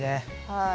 はい。